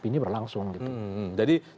tapi ini berlangsung gitu